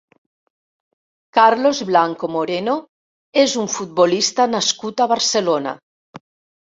Carlos Blanco Moreno és un futbolista nascut a Barcelona.